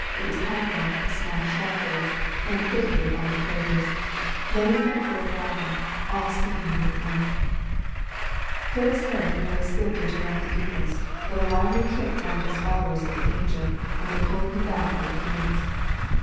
It was pockmarked with small shell holes and pitted with large craters, many of them full of water, all slimy with mud. Phipps 153 THE VALLEY OF VISION Herrick nearly slipped into one of the deepest, but a lively kick warned his followers of the danger, and they pulled him back by the heels.